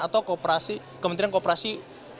atau kementerian kooperasi dan ukm